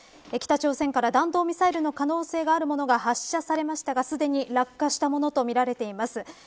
北朝鮮から弾道ミサイルの可能性のあるものが発射されましたが、すでに落下したものとみられています。